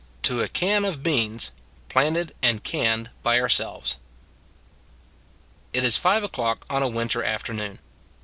TO A CAN OF BEANS PLANTED AND CANNED BY OURSELVES IT is five o clock on a winter afternoon.